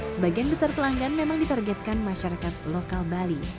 sebagian besar pelanggan memang ditargetkan masyarakat lokal bali